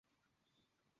ওরা আমার কলেজের বন্ধু!